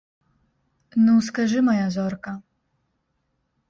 Ну, скажы, мая зорка!